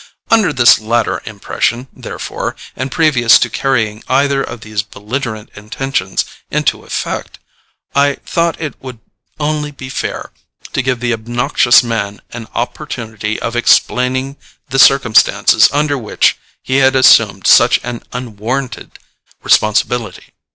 Under this latter impression, therefore, and previous to carrying either of these belligerent intentions into effect, I thought it would only be fair to give the obnoxious man an opportunity of explaining the circumstances under which he had assumed such an unwarranted responsibility.